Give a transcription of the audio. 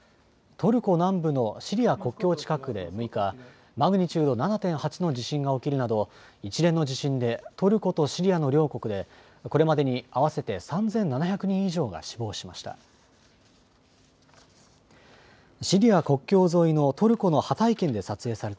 トルコ南部のシリア国境近くで６日、マグニチュード７．８の地震が起きるなど一連の地震でトルコとシリアの両国でこれまでに合わせて３７００人以上が死亡しました。